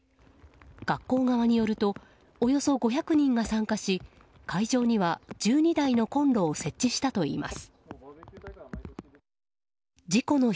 学校側によるとおよそ５００人が参加し会場には１２台のコンロを設置したといいます。